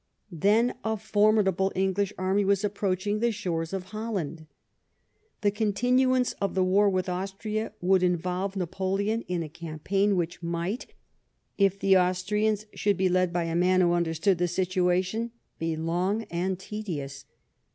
Then a formidable English army was approaching the shores of Holland. The continuance of the war with Austria would involve Napoleon in a campaign which might, if the Austrians should be led by a man who understood the situation, be long and tedious.